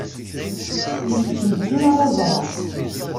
Ili-kem d tin ara ẓreɣ!